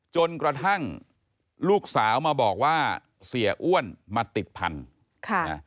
จนกระทั่งลูกสาวมาบอกว่าเสียอ้วนมาติดพันธุ์ค่ะนะ